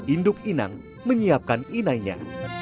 induk inang menyiapkan inainya